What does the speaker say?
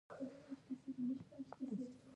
شېخ اسماعیل پالنه سړبن کړې ده.